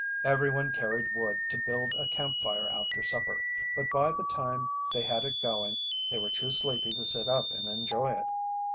Everyone carried wood to build a camp fire after supper, but by the time they had it going they were too sleepy to sit up and enjoy it.